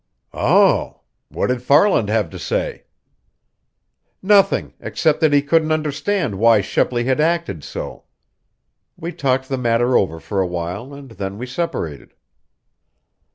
"Um! What did Farland have to say?" "Nothing, except that he couldn't understand why Shepley had acted so. We talked the matter over for a while and then we separated."